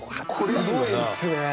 すごいっすね。